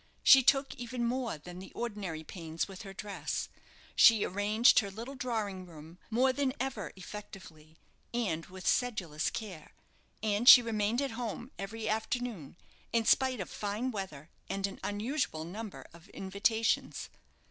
She took even more than the ordinary pains with her dress; she arranged her little drawing room more than ever effectively and with sedulous care, and she remained at home every afternoon, in spite of fine weather and an unusual number of invitations.